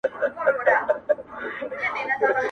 رستمان یې زور ته نه سوای ټینګېدلای!.